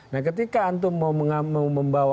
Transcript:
nah ketika antu mau membawa